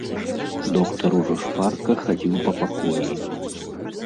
Доктар ужо шпарка хадзіў па пакоі.